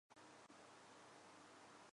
精彩且钜细靡遗的分享